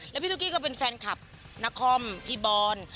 แล้วพี่ตุ๊กกี้ก็เป็นแฟนคลับนครพี่บอล